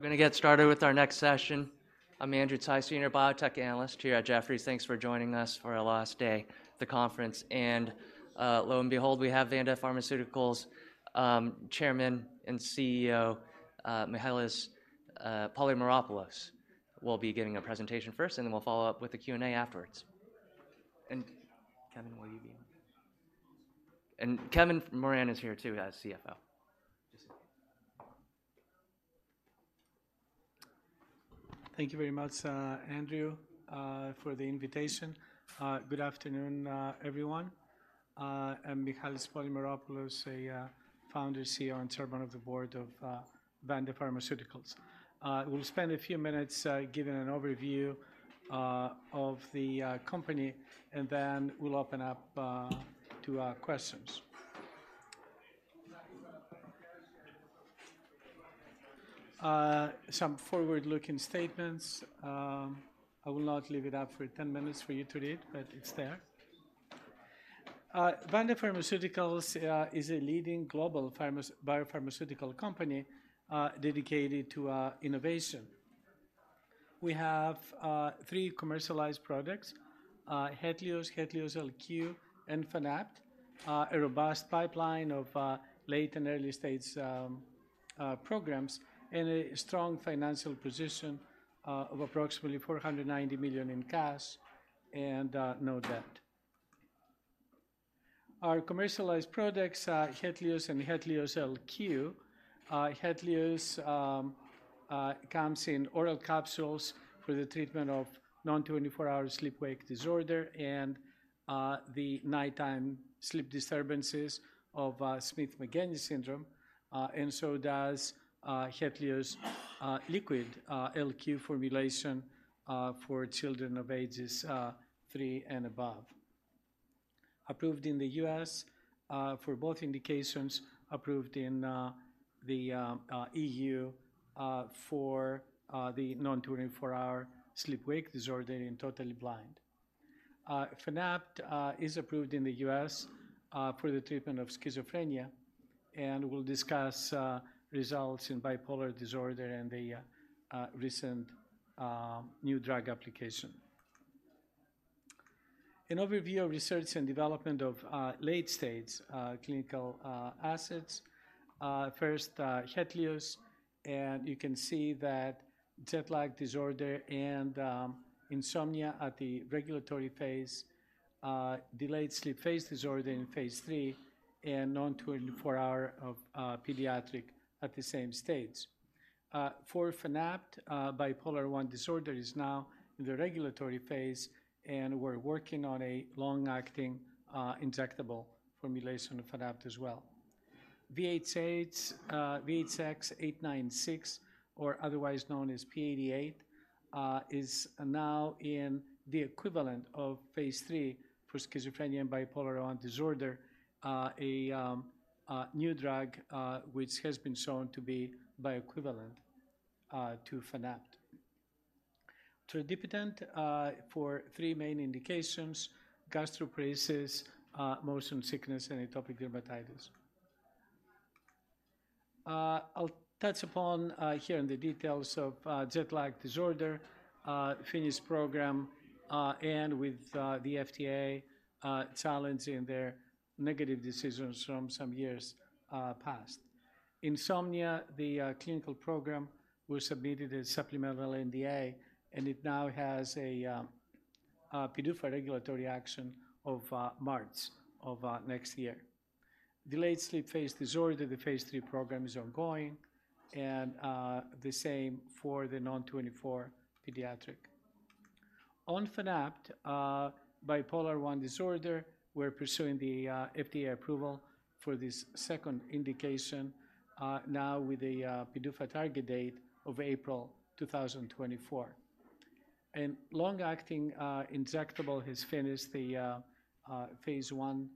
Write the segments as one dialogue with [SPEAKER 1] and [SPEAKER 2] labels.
[SPEAKER 1] We're gonna get started with our next session. I'm Andrew Tsai, Senior Biotech Analyst here at Jefferies. Thanks for joining us for our last day of the conference, and, lo and behold, we have Vanda Pharmaceuticals', Chairman and CEO, Mihael Polymeropoulos, will be giving a presentation first, and then we'll follow up with a Q&A afterwards. And Kevin, will you be on? And Kevin Moran is here, too, as CFO. Just-
[SPEAKER 2] Thank you very much, Andrew, for the invitation. Good afternoon, everyone. I'm Mihael Polymeropoulos, a founder, CEO, and Chairman of the Board of Vanda Pharmaceuticals. We'll spend a few minutes giving an overview of the company, and then we'll open up to questions. Some forward-looking statements. I will not leave it up for 10 minutes for you to read, but it's there. Vanda Pharmaceuticals is a leading global biopharmaceutical company dedicated to innovation. We have three commercialized products: HETLIOZ, HETLIOZ LQ, and Fanapt. A robust pipeline of late and early-stage programs, and a strong financial position of approximately $490 million in cash and no debt. Our commercialized products are HETLIOZ and HETLIOZ LQ. HETLIOZ comes in oral capsules for the treatment of non-24-hour sleep-wake disorder and the nighttime sleep disturbances of Smith-Magenis syndrome, and so does HETLIOZ liquid LQ formulation for children of ages 3 and above. Approved in the U.S. for both indications, approved in the EU for the non-24-hour sleep-wake disorder in totally blind. Fanapt is approved in the U.S. for the treatment of schizophrenia, and we'll discuss results in bipolar disorder and the recent new drug application. An overview of research and development of late stage clinical assets. First, HETLIOZ, and you can see that jet lag disorder and insomnia at the regulatory phase, delayed sleep phase disorder in phase 3, and non-24-hour of pediatric at the same stage. For Fanapt, bipolar I disorder is now in the regulatory phase, and we're working on a long-acting injectable formulation of Fanapt as well. P88, VTX-896, or otherwise known as P88, is now in the equivalent of phase 3 for schizophrenia and bipolar I disorder. A new drug, which has been shown to be bioequivalent to Fanapt. Tradipitant for 3 main indications, gastroparesis, motion sickness, and atopic dermatitis. I'll touch upon here on the details of jet lag disorder program and with the FDA challenging their negative decisions from some years past. Insomnia, the clinical program, we submitted a supplemental NDA, and it now has a PDUFA regulatory action of March of next year. Delayed sleep phase disorder, the phase three program is ongoing, and the same for the non-24 pediatric. On Fanapt, bipolar I disorder, we're pursuing the FDA approval for this second indication now with a PDUFA target date of April 2024. Long-acting injectable has finished the phase one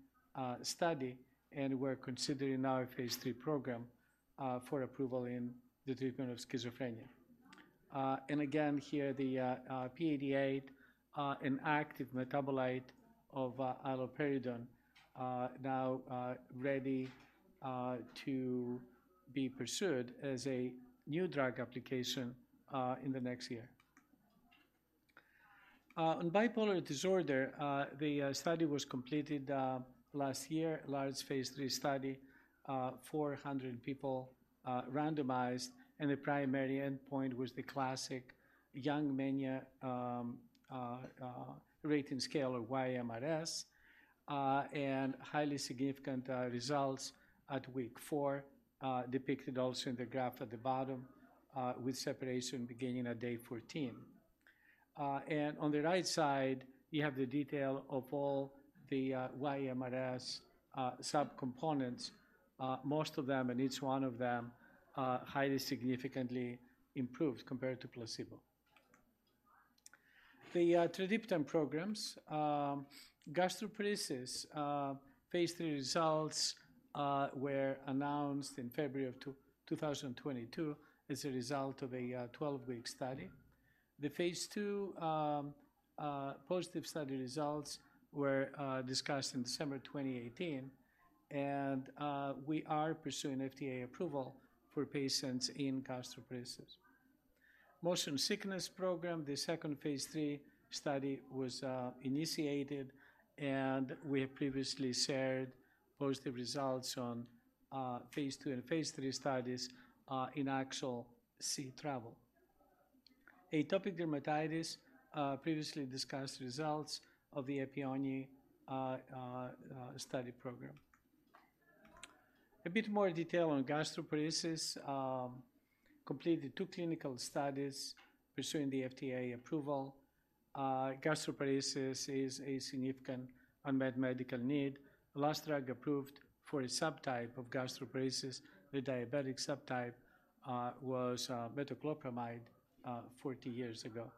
[SPEAKER 2] study, and we're considering now a phase three program for approval in the treatment of schizophrenia. And again, here, the P88, an active metabolite of iloperidone, now ready to be pursued as a new drug application in the next year. On bipolar disorder, the study was completed last year, large phase 3 study, 400 people randomized, and the primary endpoint was the classic Young Mania rating scale, or YMRS. And highly significant results at week 4, depicted also in the graph at the bottom, with separation beginning at day 14. And on the right side, you have the detail of all the YMRS subcomponents, most of them, and each one of them highly significantly improved compared to placebo. The tradipitant programs, gastroparesis, phase 3 results were announced in February 2022, as a result of a 12-week study. The phase 2 positive study results were discussed in December 2018, and we are pursuing FDA approval for patients in gastroparesis. Motion sickness program, the second phase 3 study was initiated, and we have previously shared positive results on phase 2 and phase 3 studies in actual sea travel. Atopic dermatitis, previously discussed results of the Epione study program. A bit more detail on gastroparesis. Completed two clinical studies pursuing the FDA approval. Gastroparesis is a significant unmet medical need. The last drug approved for a subtype of gastroparesis, the diabetic subtype, was metoclopramide 40 years ago.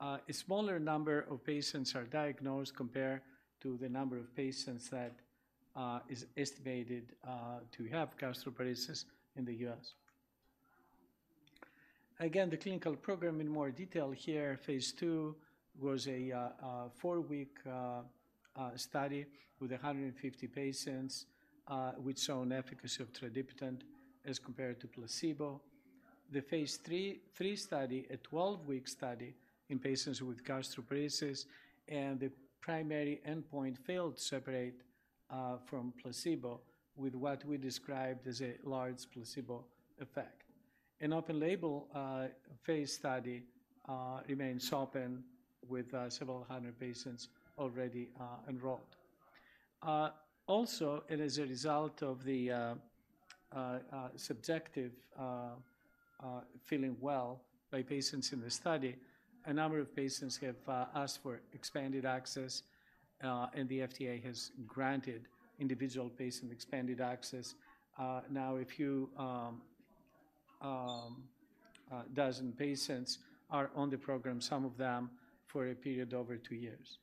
[SPEAKER 2] A smaller number of patients are diagnosed compared to the number of patients that is estimated to have gastroparesis in the U.S. Again, the clinical program in more detail here, phase II was a four-week study with 150 patients, which shown efficacy of tradipitant as compared to placebo. The phase III study, a twelve-week study in patients with gastroparesis, and the primary endpoint failed to separate from placebo with what we described as a large placebo effect. An open label phase study remains open with several hundred patients already enrolled. Also, and as a result of the subjective feeling well by patients in the study, a number of patients have asked for expanded access, and the FDA has granted individual patient expanded access. Now a few dozen patients are on the program, some of them for a period over 2 years.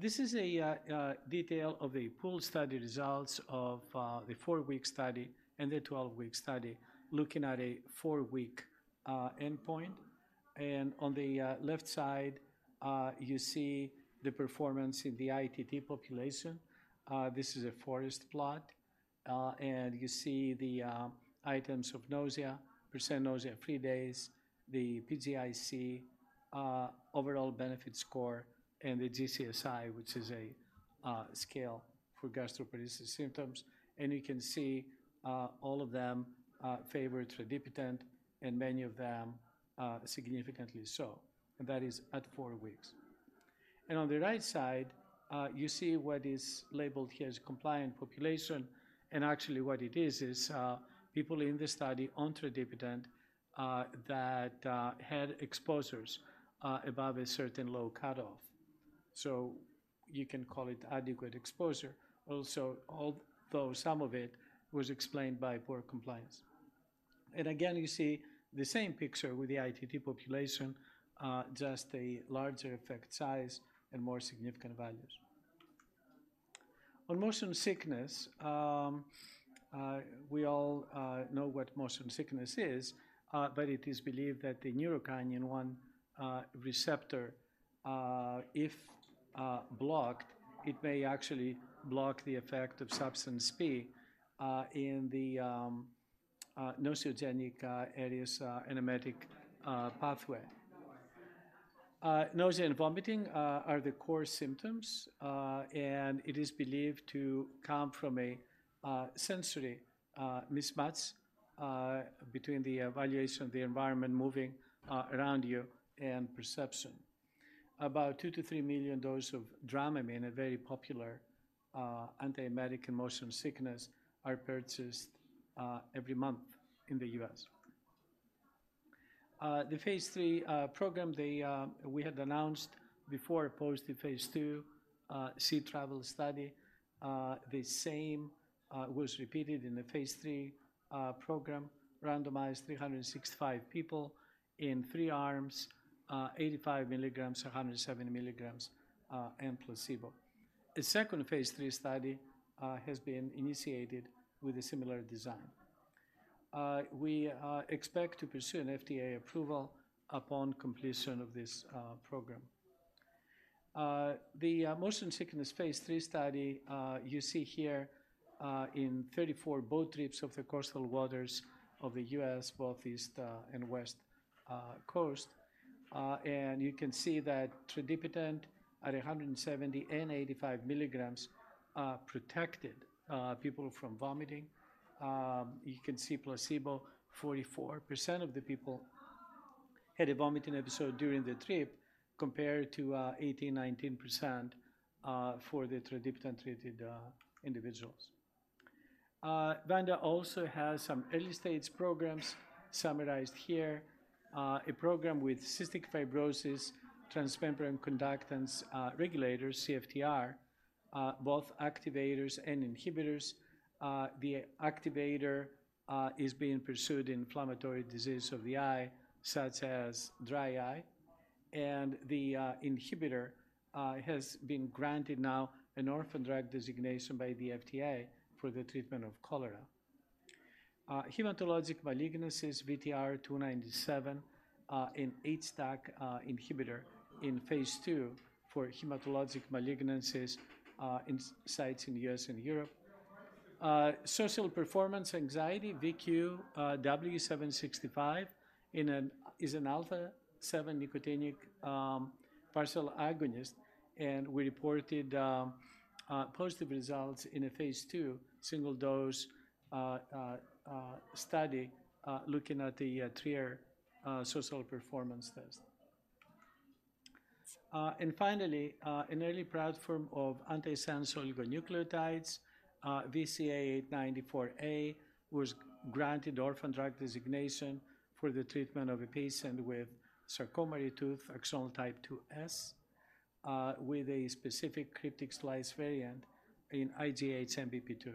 [SPEAKER 2] This is a detail of the pooled study results of the 4-week study and the 12-week study, looking at a 4-week endpoint. And on the left side, you see the performance in the ITT population. This is a forest plot, and you see the items of nausea, % nausea-free days, the PGIC, overall benefit score, and the GCSI, which is a scale for gastroparesis symptoms. And you can see all of them favor tradipitant and many of them significantly so, and that is at 4 weeks. On the right side, you see what is labeled here as compliant population, and actually what it is is people in the study on tradipitant that had exposures above a certain low cutoff. So you can call it adequate exposure. Also, although some of it was explained by poor compliance. Again, you see the same picture with the ITT population, just a larger effect size and more significant values. On motion sickness, we all know what motion sickness is, but it is believed that the neurokinin 1 receptor, if blocked, it may actually block the effect of substance P in the nociceptive areas emetic pathway. Nausea and vomiting are the core symptoms, and it is believed to come from a sensory mismatch between the evaluation of the environment moving around you and perception. About 2-3 million dose of Dramamine, a very popular antiemetic in motion sickness, are purchased every month in the U.S. The phase III program we had announced before opposed to phase II sea travel study. The same was repeated in the phase III program, randomized 365 people in three arms, 85 milligrams, 170 milligrams, and placebo. A second phase III study has been initiated with a similar design. We expect to pursue an FDA approval upon completion of this program. The motion sickness phase III study you see here in 34 boat trips of the coastal waters of the U.S., both East and West Coast. And you can see that tradipitant at 170 and 185 milligrams protected people from vomiting. You can see placebo, 44% of the people had a vomiting episode during the trip, compared to 18%, 19% for the tradipitant treated individuals. Vanda also has some early-stage programs summarized here. A program with cystic fibrosis transmembrane conductance regulators, CFTR, both activators and inhibitors. The activator is being pursued in inflammatory disease of the eye, such as dry eye. And the inhibitor has been granted now an orphan drug designation by the FDA for the treatment of cholera. Hematologic malignancies, VTR-297, an HDAC inhibitor in phase II for hematologic malignancies, in sites in U.S. and Europe. Social performance anxiety, VQW-765, is an alpha-7 nicotinic partial agonist, and we reported positive results in a phase II single-dose study looking at the Trier social performance test. And finally, an early platform of antisense oligonucleotides, VCA-894A, was granted orphan drug designation for the treatment of a patient with Charcot-Marie-Tooth axonal type 2S, with a specific cryptic slice variant in IGHMBP2.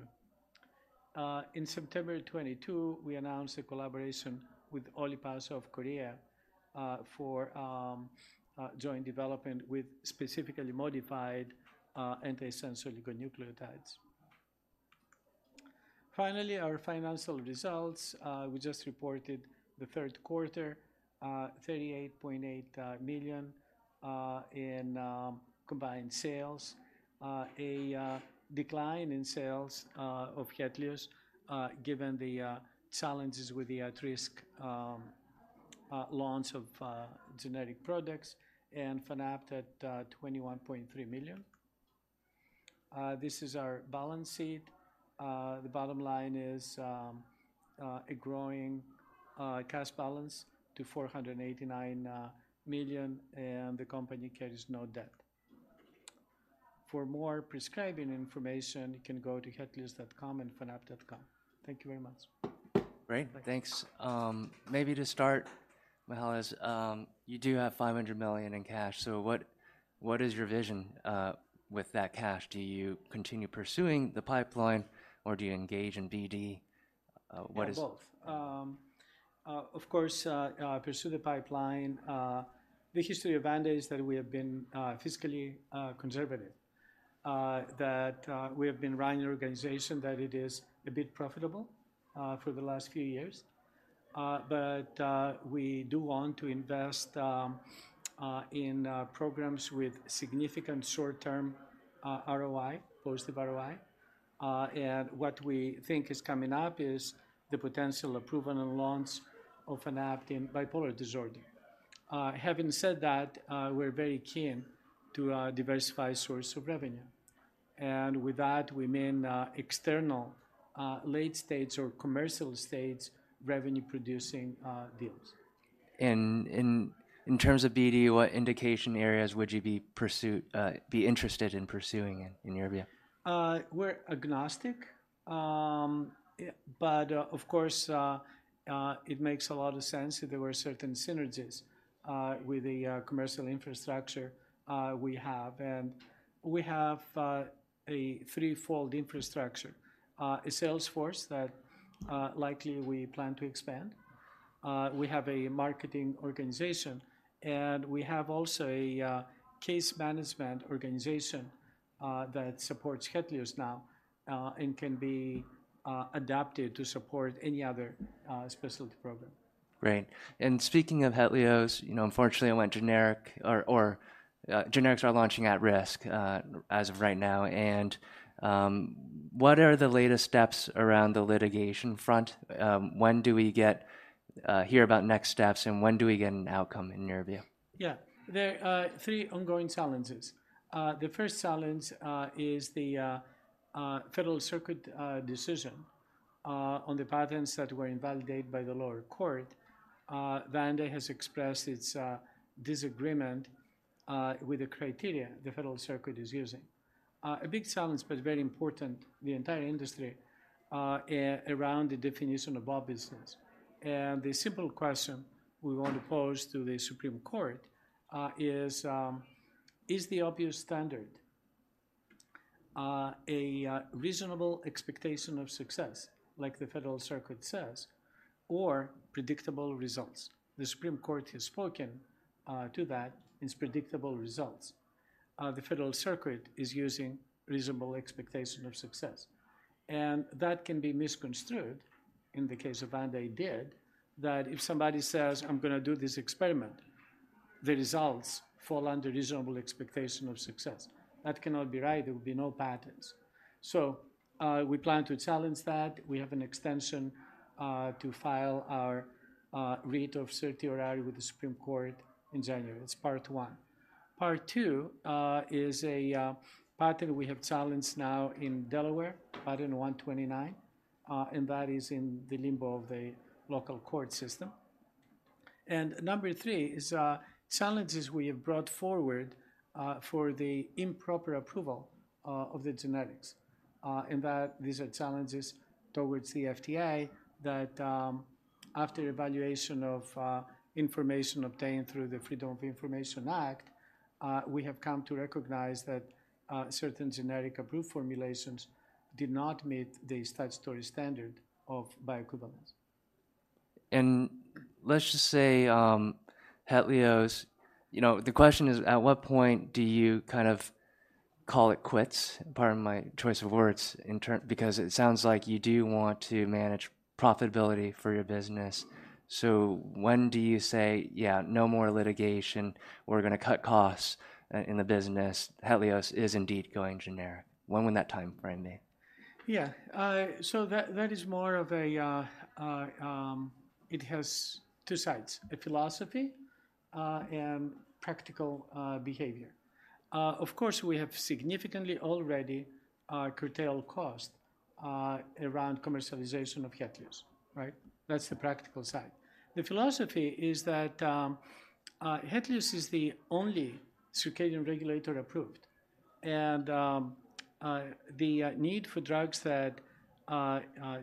[SPEAKER 2] In September 2022, we announced a collaboration with OliPass of Korea, for joint development with specifically modified antisense oligonucleotides. Finally, our financial results. We just reported the third quarter $38.8 million in combined sales. A decline in sales of HETLIOZ given the challenges with the at-risk launch of generic products and Fanapt at $21.3 million. This is our balance sheet. The bottom line is a growing cash balance to $489 million, and the company carries no debt. For more prescribing information, you can go to hetlioz.com and fanapt.com. Thank you very much.
[SPEAKER 1] Great. Thanks. Maybe to start, Mihael, you do have $500 million in cash, so what, what is your vision with that cash? Do you continue pursuing the pipeline, or do you engage in BD? What is-
[SPEAKER 2] Yeah, both. Of course, pursue the pipeline. The history of Vanda is that we have been fiscally conservative. That we have been running an organization that it is a bit profitable for the last few years. But we do want to invest in programs with significant short-term ROI, positive ROI. And what we think is coming up is the potential approval and launch of Fanapt in bipolar disorder. Having said that, we're very keen to diversify source of revenue, and with that, we mean external late states or commercial states, revenue-producing deals.
[SPEAKER 1] In terms of BD, what indication areas would you be interested in pursuing, in your view?
[SPEAKER 2] We're agnostic. Yeah, but of course it makes a lot of sense that there were certain synergies with the commercial infrastructure we have. We have a threefold infrastructure, a sales force that likely we plan to expand. We have a marketing organization, and we have also a case management organization that supports HETLIOZ now and can be adapted to support any other specialty program.
[SPEAKER 1] Great. And speaking of HETLIOZ, you know, unfortunately, it went generic or generics are launching at risk as of right now. And what are the latest steps around the litigation front? When do we hear about next steps, and when do we get an outcome in your view?
[SPEAKER 2] Yeah. There are three ongoing challenges. The first challenge is the Federal Circuit decision on the patents that were invalidated by the lower court. Vanda has expressed its disagreement with the criteria the Federal Circuit is using. A big challenge, but very important, the entire industry around the definition of obviousness. And the simple question we want to pose to the Supreme Court is, is the obviousness standard a reasonable expectation of success, like the Federal Circuit says, or predictable results? The Supreme Court has spoken to that, it's predictable results. The Federal Circuit is using reasonable expectation of success, and that can be misconstrued in the case of Vanda did, that if somebody says, "I'm gonna do this experiment," the results fall under reasonable expectation of success. That cannot be right. There will be no patents. So, we plan to challenge that. We have an extension to file our writ of certiorari with the Supreme Court in January. It's part one. Part two is a patent we have challenged now in Delaware, Patent 129, and that is in the limbo of the local court system. And number 3 is challenges we have brought forward for the improper approval of the generics, and that these are challenges towards the FDA, that, after evaluation of information obtained through the Freedom of Information Act, we have come to recognize that certain generic approved formulations did not meet the statutory standard of bioequivalence.
[SPEAKER 1] Let's just say, HETLIOZ, you know, the question is, at what point do you kind of call it quits? Pardon my choice of words in term, because it sounds like you do want to manage profitability for your business. So when do you say, "Yeah, no more litigation, we're gonna cut costs in the business, HETLIOZ is indeed going generic"? When would that timeframe be?
[SPEAKER 2] Yeah. So that is more of a it has two sides: a philosophy and practical behavior. Of course, we have significantly already curtailed cost around commercialization of HETLIOZ, right? That's the practical side. The philosophy is that, HETLIOZ is the only circadian regulator approved, and, the need for drugs that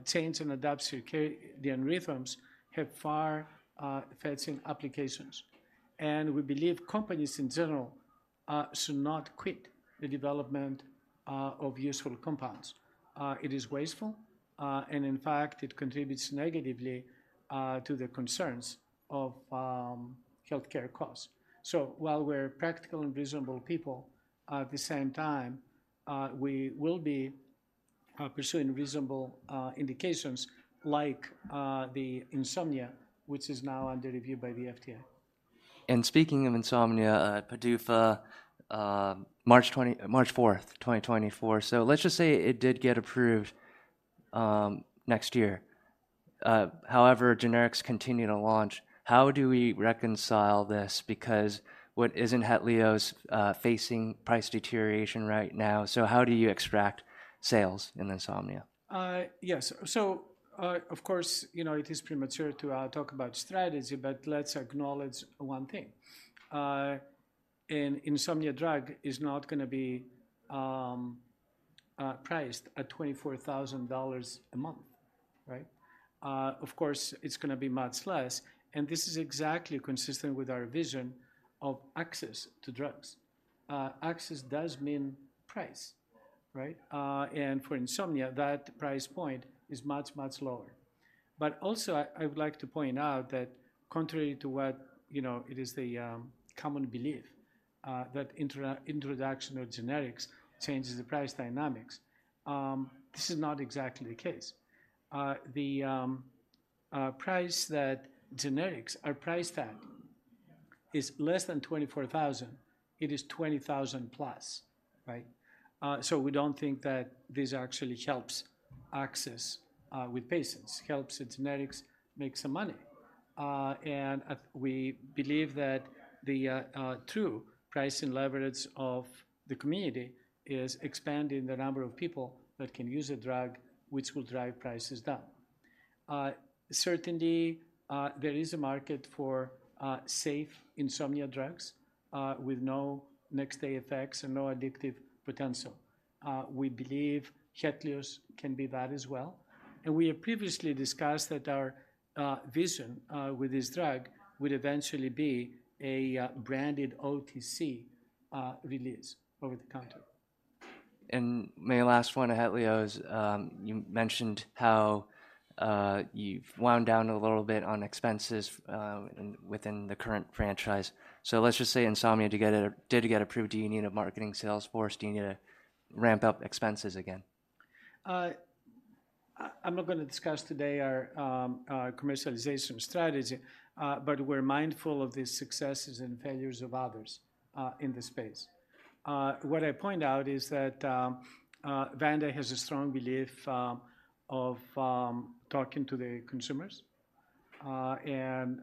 [SPEAKER 2] change and adapt circadian rhythms have far-reaching applications. And we believe companies in general should not quit the development of useful compounds. It is wasteful, and in fact, it contributes negatively to the concerns of healthcare costs. So while we're practical and reasonable people, at the same time, we will be pursuing reasonable indications like the insomnia, which is now under review by the FDA.
[SPEAKER 1] And speaking of insomnia, PDUFA, March 4, 2024. So let's just say it did get approved next year. However, generics continue to launch. How do we reconcile this? Because what isn't HETLIOZ facing price deterioration right now, so how do you extract sales in insomnia?
[SPEAKER 2] Yes. So, of course, you know, it is premature to talk about strategy, but let's acknowledge one thing. An insomnia drug is not gonna be priced at $24,000 a month, right? Of course, it's gonna be much less, and this is exactly consistent with our vision of access to drugs. Access does mean price, right? And for insomnia, that price point is much, much lower. But also, I would like to point out that contrary to what, you know, it is the common belief that introduction of generics changes the price dynamics, this is not exactly the case. The price that generics are priced at is less than $24,000; it is $20,000 plus, right? So we don't think that this actually helps access with patients. It helps the generics make some money. And we believe that the true pricing leverage of the community is expanding the number of people that can use a drug, which will drive prices down. Certainly, there is a market for safe insomnia drugs with no next-day effects and no addictive potential. We believe HETLIOZ can be that as well, and we have previously discussed that our vision with this drug would eventually be a branded OTC release over the counter.
[SPEAKER 1] My last one on HETLIOZ, you mentioned how, you've wound down a little bit on expenses, and within the current franchise. So let's just say insomnia did get approved, do you need a marketing sales force? Do you need to ramp up expenses again?
[SPEAKER 2] I'm not gonna discuss today our commercialization strategy, but we're mindful of the successes and failures of others in this space. What I point out is that Vanda has a strong belief of talking to the consumers, and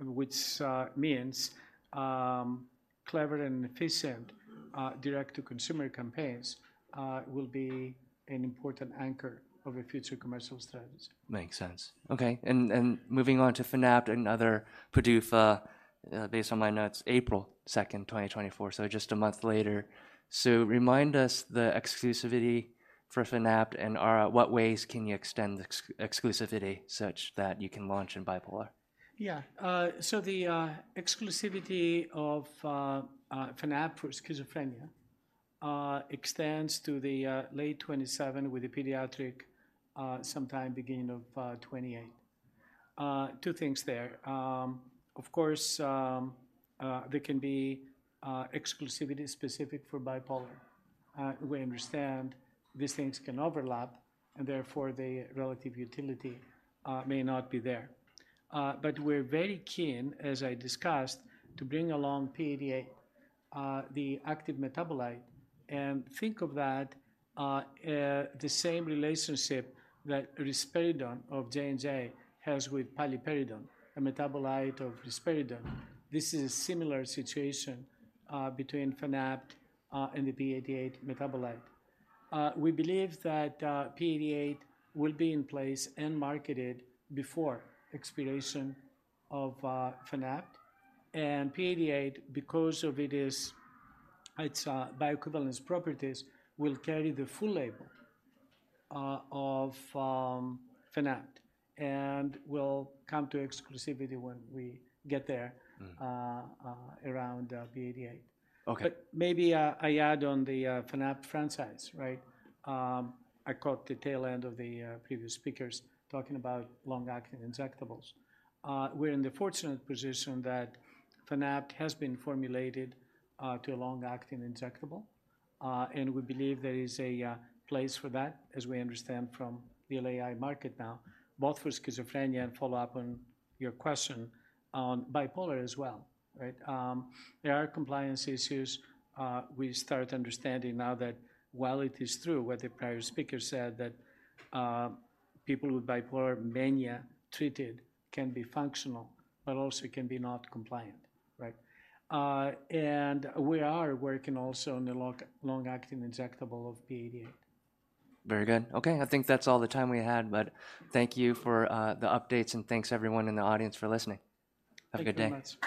[SPEAKER 2] which means clever and efficient direct-to-consumer campaigns will be an important anchor of a future commercial strategy.
[SPEAKER 1] Makes sense. Okay, and moving on to Fanapt, another PDUFA, based on my notes, April 2, 2024, so just a month later. So remind us the exclusivity for Fanapt, and what ways can you extend the exclusivity such that you can launch in bipolar?
[SPEAKER 2] Yeah. So the exclusivity of Fanapt for schizophrenia extends to the late 2027 with the pediatric, sometime beginning of 2028. Two things there. Of course, there can be exclusivity specific for bipolar. We understand these things can overlap, and therefore, the relative utility may not be there. But we're very keen, as I discussed, to bring along P88, the active metabolite, and think of that the same relationship that risperidone of J&J has with paliperidone, a metabolite of risperidone. This is a similar situation between Fanapt and the P88 metabolite. We believe that P88 will be in place and marketed before expiration of Fanapt, and P88, because of its bioequivalence properties, will carry the full label of Fanapt, and we'll come to exclusivity when we get there.
[SPEAKER 1] Mm.
[SPEAKER 2] around P-88.
[SPEAKER 1] Okay.
[SPEAKER 2] But maybe, I add on the Fanapt franchise, right? I caught the tail end of the previous speakers talking about long-acting injectables. We're in the fortunate position that Fanapt has been formulated to a long-acting injectable, and we believe there is a place for that, as we understand from the LAI market now, both for schizophrenia and follow-up on your question on bipolar as well, right? There are compliance issues. We start understanding now that while it is true, what the prior speaker said, that people with bipolar mania treated can be functional, but also can be not compliant, right? And we are working also on the long-acting injectable of P88.
[SPEAKER 1] Very good. Okay, I think that's all the time we had, but thank you for the updates, and thanks everyone in the audience for listening. Have a good day.
[SPEAKER 2] Thank you very much.